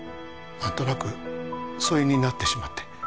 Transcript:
何となく疎遠になってしまって